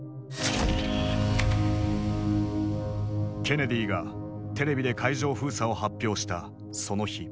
ケネディがテレビで海上封鎖を発表したその日。